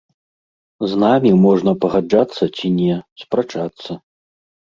З намі можна пагаджацца ці не, спрачацца.